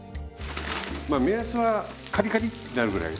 まあ目安はカリカリってなるぐらい。